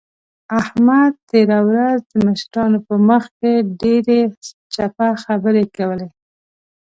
احمد تېره ورځ د مشرانو په مخ کې ډېرې چپه خبرې کولې.